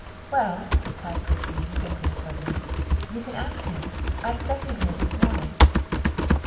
''" Well," replied Christine, dimpling suddenly, " you can ask him. I expect him here this morning."